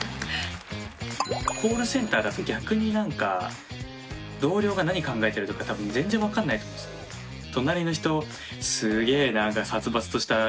コールセンターだと逆に何か同僚が何考えてるとか多分全然分かんないと思うんです。